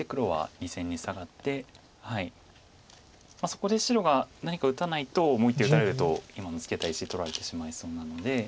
そこで白が何か打たないともう１手打たれると今のツケた石取られてしまいそうなので。